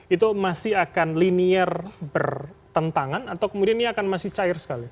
itu masih akan linear bertentangan atau kemudian ini akan masih cair sekali